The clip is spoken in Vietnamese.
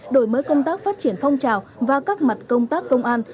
đổi mới công tác phát triển phong trào và các mặt công tác công an